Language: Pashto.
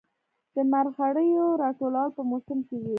د مرخیړیو راټولول په موسم کې وي